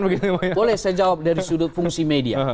boleh saya jawab dari sudut fungsi media